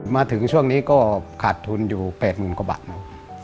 มาถึงช่วงนี้ก็ขาดทุนอยู่๘๐๐๐กว่าบาทมั้ง